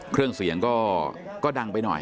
เครื่องเสียงก็ดังไปหน่อย